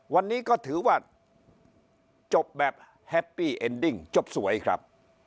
วันนี้ก็ถือว่าจบแบบแฮปปี้เอ็นดิ้งจบสวยครับ